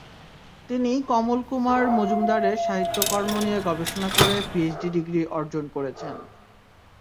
তিনি কমল কুমার মজুমদারের সাহিত্যকর্ম নিয়ে গবেষণা করে পিএইচডি ডিগ্রি অর্জন করেছেন।